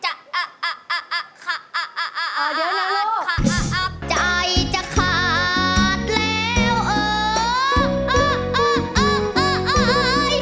ใจจะขาดแล้วใจจะขาดแล้ว